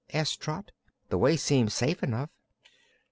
asked Trot. "The way seems safe enough."